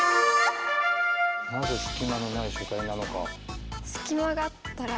なぜすき間のない書体なのか。